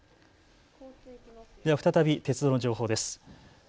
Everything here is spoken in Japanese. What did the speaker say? では再び鉄道の情報です。